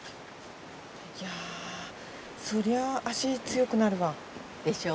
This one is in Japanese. いやそりゃ脚強くなるわ。でしょう？